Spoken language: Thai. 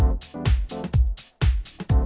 อาจทินที่กลัว